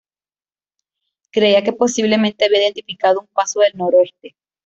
Creía que posiblemente había identificado un Paso del Noroeste.